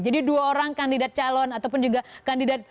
jadi dua orang kandidat calon ataupun juga kandidat